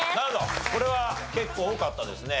これは結構多かったですね。